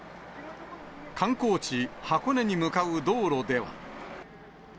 観光地、箱根に向かう道路では。